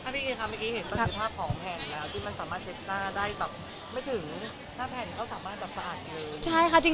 เมื่อกี้เห็นภาพของแผ่นที่มันสามารถเช็บหน้าได้ไม่ถึง